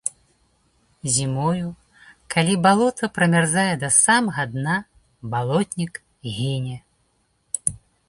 Зімою, калі балота прамярзае да самага дна, балотнік гіне.